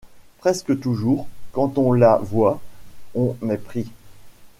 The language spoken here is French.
Presque toujours, quand on la voit, on est pris.